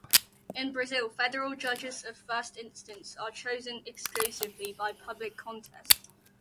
In Brazil, federal judges of first instance are chosen exclusively by public contest.